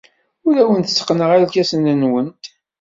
Ur awent-tteqqneɣ irkasen-nwent.